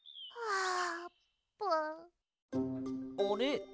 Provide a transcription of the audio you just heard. あれ？